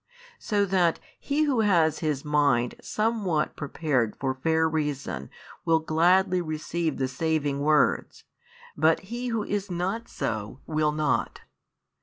So that he who has his mind somewhat prepared for fair reason will gladly receive the saving words, but he who is not so will not.